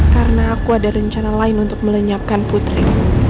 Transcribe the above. karena aku ada rencana lain untuk melenyapkan putri